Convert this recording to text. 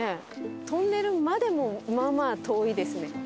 トンネルまでもまあまあ遠いですね。